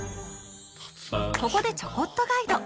ここで「ちょこっとガイド」。